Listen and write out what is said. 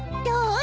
どう？